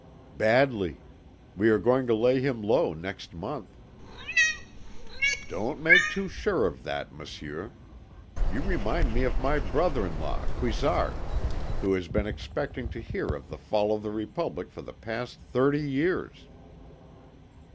"Badly! We are going to lay him low next month." "Don't make too sure of that, Monsieur. You remind me of my brother in law, Cuissart, who has been expecting to hear of the fall of the Republic for the past thirty years."